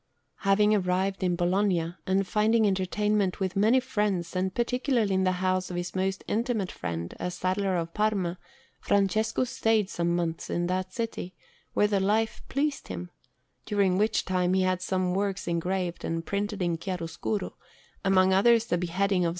Having arrived in Bologna, and finding entertainment with many friends, and particularly in the house of his most intimate friend, a saddler of Parma, Francesco stayed some months in that city, where the life pleased him, during which time he had some works engraved and printed in chiaroscuro, among others the Beheading of S.